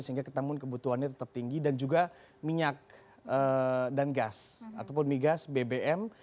sehingga ketemuan kebutuhannya tetap tinggi dan juga minyak dan gas ataupun migas bbm